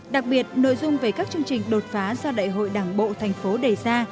đặc biệt nội dung về các chương trình đột phá do đại hội đảng bộ thành phố đề ra